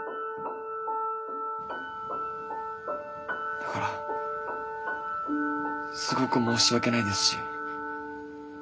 だからすごく申し訳ないですし気まずいです。